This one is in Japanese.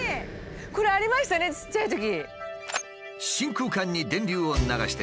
これありましたねちっちゃいとき。